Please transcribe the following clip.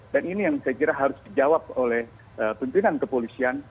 dan ini yang saya kira harus dijawab oleh pemerintahan kepolisian